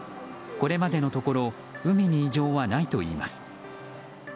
これまでのところ海に異常はないといいます。